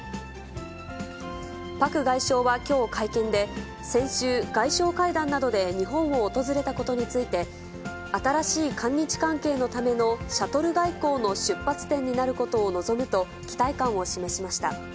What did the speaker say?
パク外相はきょう会見で、先週、外相会談などで日本を訪れたことについて、新しい韓日関係のためのシャトル外交の出発点になることを望むと、期待感を示しました。